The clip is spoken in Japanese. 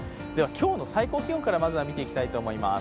今日の最高気温からまずは見ていきたいと思います。